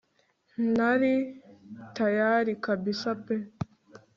ntari tayali kabsa pe